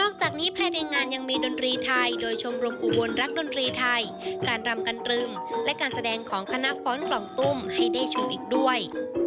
กับดนตรีไทยการรำกันรึมและการแสดงของคณะฟ้อนกร่องตุ้มให้ได้ชุดอีกด้วย